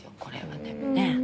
これはでもね